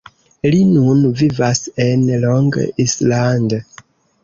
Li nun vivas en Long Island.